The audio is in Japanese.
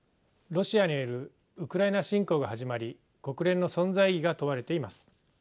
ロシアによるウクライナ侵攻が始まり国連の存在意義が問われています。